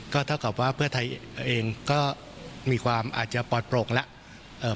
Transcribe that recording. ก็เท่ากับว่าเพื่อไทยเองก็มีความอาจจะปลอดโปร่งแล้ว